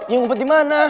ya ngumpet dimana